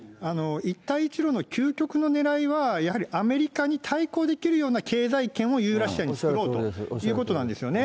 一帯一路の究極のねらいは、やはりアメリカに対抗できるような経済圏をユーラシアに作ろうということなんですよね。